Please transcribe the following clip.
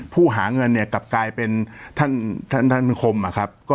หาเงินเนี่ยกลับกลายเป็นท่านคมนะครับ